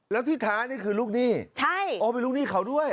แล้วที่ท้านี่คือลูกหนี้ใช่อ๋อเป็นลูกหนี้เขาด้วย